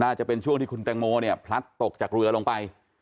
จะเป็นช่วงที่คุณแตงโมเนี่ยพลัดตกจากเรือลงไป